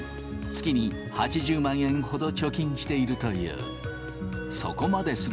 月に８０万円ほど貯金しているという。